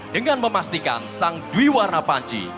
dengan memastikan sang dwi warna panci